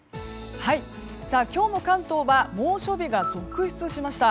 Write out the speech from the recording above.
今日の関東は猛暑日が続出しました。